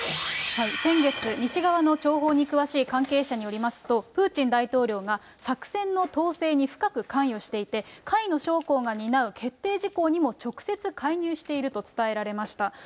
先月、西側の諜報に詳しい関係者によりますと、プーチン大統領が作戦の統制に深く関与していて、下位の将校が担う決定事項にも直接介入していると伝えられました。